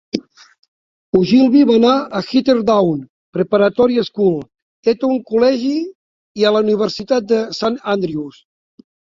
Ogilvy va anar a Heatherdown Preparatory School, Eton College i a la Universitat de Saint Andrews.